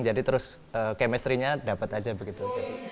terus chemistry nya dapat aja begitu